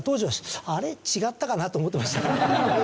違ったかなと思ってました。